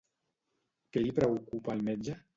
Què li preocupa al metge?